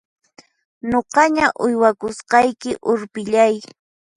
Nuqaña uywakusqayki urpillay!